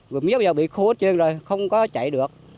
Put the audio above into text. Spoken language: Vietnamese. mía bây giờ bị khô hết trơn rồi không có chạy được